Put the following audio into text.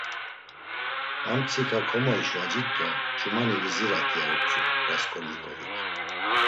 Ar mtsika komoişvacit do ç̌umani vizirat, ya utzu Rasǩolnikovik.